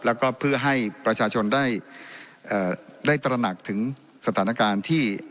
แล้วก็เพื่อให้ประชาชนได้ตระหนักถึงสถานการณ์ที่